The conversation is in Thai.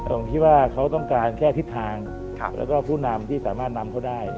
ผมคิดว่าเขาต้องการแค่ทิศทางแล้วก็ผู้นำที่สามารถนำเขาได้